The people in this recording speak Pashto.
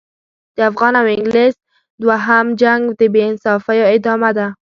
د افغان او انګلیس دوهم جنګ د بې انصافیو ادامه ده.